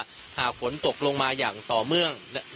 ตอนนี้ผมอยู่ในพื้นที่อำเภอโขงเจียมจังหวัดอุบลราชธานีนะครับ